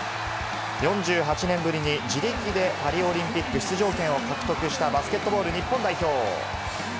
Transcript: ４８年ぶりに自力でパリオリンピック出場権を獲得したバスケットボール日本代表。